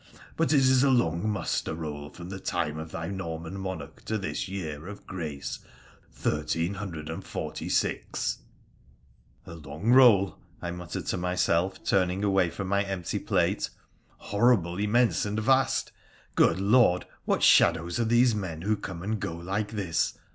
But it is a long muster roll from the time of thy Norman monarch to thia year of grace 1346,' PHRA THE PHCENICIAN 123 1 A long roll !' I muttered to myself, turning away from my empty plate —' horrible, immense, and vast ! Good Lord I what shadows are these men who come and go like this